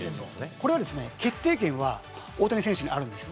これは決定権は大谷選手にあるんです。